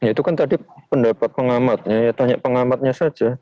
ya itu kan tadi pendapat pengamatnya ya tanya pengamatnya saja